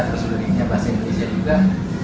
terus berikannya bahasa indonesia juga